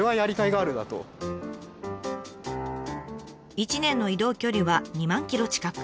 １年の移動距離は２万ｋｍ近く。